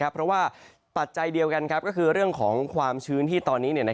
เพราะว่าปัจจัยเดียวกันก็คือเรื่องของความชื้นที่ตอนนี้